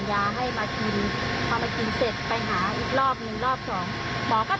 เราก็คิดว่าเป็นการรักษาของเขา